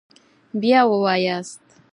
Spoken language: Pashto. بیا ووایاست